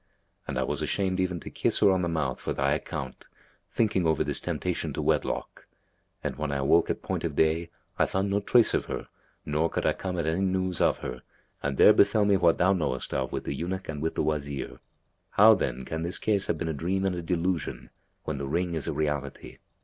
And I was ashamed even to kiss her on the mouth for thy account, thinking over this temptation to wedlock; and, when I awoke at point of day, I found no trace of her, nor could I come at any news of her, and there befel me what thou knowest of with the eunuch and with the Wazir. How then can this case have been a dream and a delusion, when the ring is a reality?